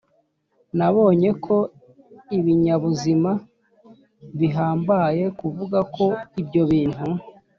Nabonye ko ibinyabuzima bihambaye kuvuga ko ibyo bintu